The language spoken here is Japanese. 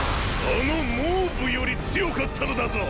あの蒙武より強かったのだぞ！